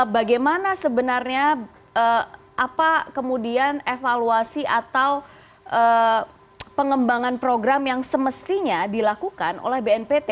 bagaimana sebenarnya apa kemudian evaluasi atau pengembangan program yang semestinya dilakukan oleh bnpt